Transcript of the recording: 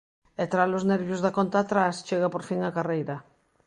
E tras os nervios da conta atrás, chega por fin a carreira.